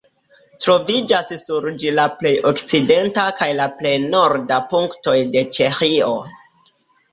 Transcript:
Troviĝas sur ĝi la plej okcidenta kaj la plej norda punktoj de Ĉeĥio.